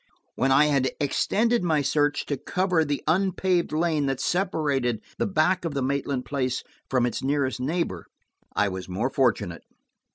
When I had extended my search to cover the unpaved lane that separated the back of the Maitland place from its nearest neighbor, I was more fortunate.